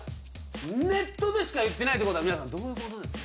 ネットでしか言ってないってことは皆さんどういうことですか？